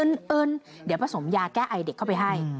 เอิญเดี๋ยวผสมยาแก้ไอเด็กเข้าไปให้